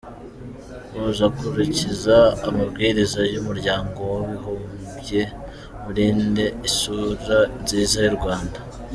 Muzakurikize amabwiriza y’umuryango w’abibumbye, murinde isura nziza y’u Rwanda.